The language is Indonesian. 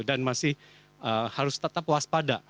dan masih harus tetap waspada